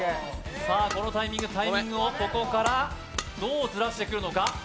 さあこのタイミングタイミングをここからどうずらしてくるのか？